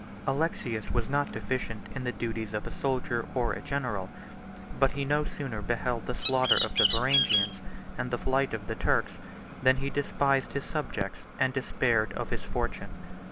75 Alexius was not deficient in the duties of a soldier or a general; but he no sooner beheld the slaughter of the Varangians, and the flight of the Turks, than he despised his subjects, and despaired of his fortune.